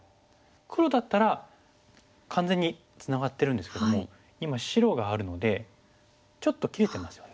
黒だったら完全にツナがってるんですけども今白があるのでちょっと切れてますよね。